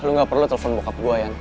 lu nggak perlu telepon bokap gue jan